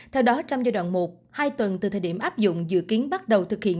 theo đó trong giai đoạn một hai tuần từ thời điểm áp dụng dự kiến bắt đầu thực hiện